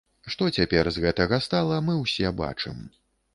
Што цяпер з гэтага стала, мы ўсе бачым.